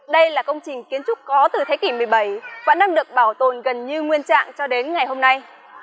đây là công trình kiến trúc có từ thế kỷ một mươi bảy vẫn đang được bảo tồn gần như nguyên trạng cho đến ngày hôm nay